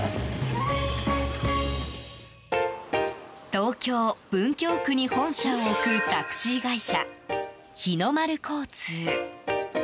東京・文京区に本社を置くタクシー会社、日の丸交通。